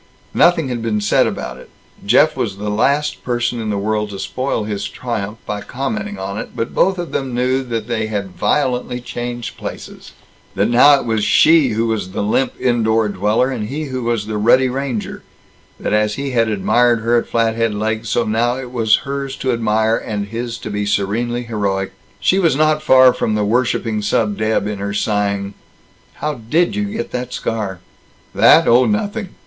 Nothing had been said about it; Jeff was the last person in the world to spoil his triumph by commenting on it; but both of them knew that they had violently changed places; that now it was she who was the limp indoor dweller, and he who was the ruddy ranger; that as he had admired her at Flathead Lake, so now it was hers to admire, and his to be serenely heroic. She was not far from the worshiping sub deb in her sighing, "How did you get the scar?" "That? Oh, nothing."